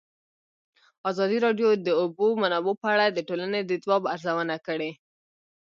ازادي راډیو د د اوبو منابع په اړه د ټولنې د ځواب ارزونه کړې.